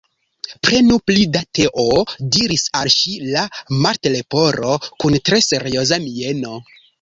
"Prenu pli da teo," diris al ŝi la Martleporo, kun tre serioza mieno.